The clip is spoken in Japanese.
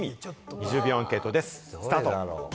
２０秒アンケートです、スタート。